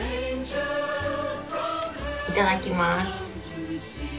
いただきます。